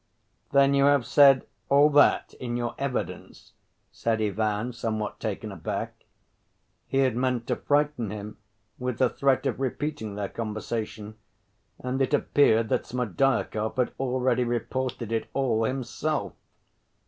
"Then you have said all that in your evidence?" said Ivan, somewhat taken aback. He had meant to frighten him with the threat of repeating their conversation, and it appeared that Smerdyakov had already reported it all himself.